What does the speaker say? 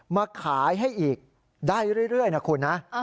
มาขายให้อีกได้เรื่อยนะคุณนะ